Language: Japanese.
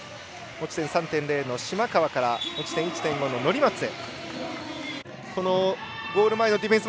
持ち点３．０の島川から持ち点１．５の乗松へ。